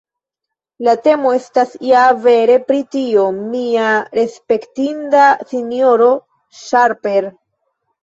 La temo estas ja vere pri tio, mia respektinda sinjoro Sharper!